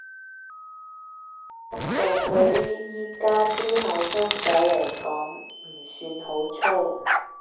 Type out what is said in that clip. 不過對於而家啲後生仔來講唔算好粗